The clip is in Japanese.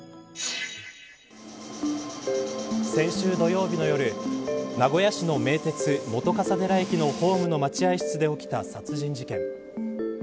先週、土曜日の夜名古屋市の名鉄本笠寺駅のホームの待合室で起きた殺人事件。